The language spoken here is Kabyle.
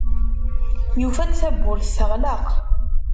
Yufa-d tawwurt teɣleq.